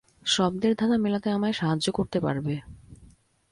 শব্দের ধাঁধা মেলাতে আমায় সাহায্য করতে পারবে।